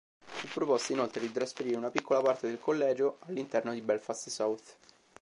Fu proposto inoltre di trasferire una piccola parte del collegio all'interno di Belfast South.